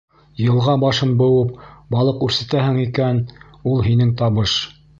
Йылға башын быуып, балыҡ үрсетәһең икән, ул — һинең табыш.